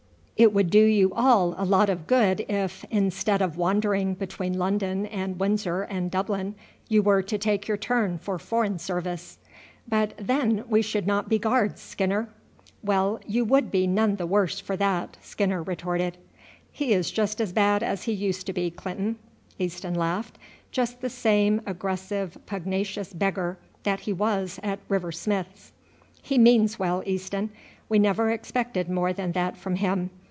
It would do you all a lot of good if, instead of wandering between London and Windsor and Dublin, you were to take your turn for foreign service." "But then we should not be Guards, Skinner." "Well, you would be none the worse for that," Skinner retorted. "He is just as bad as he used to be, Clinton," Easton laughed; "just the same aggressive, pugnacious beggar that he was at River Smith's." "He means well, Easton. We never expected more than that from him.